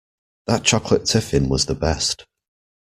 That chocolate tiffin was the best!